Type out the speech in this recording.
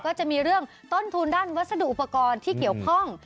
ก็จะมีเรื่องต้นทุนด้านวัสดุอุปกรณ์ที่เกี่ยวข้อง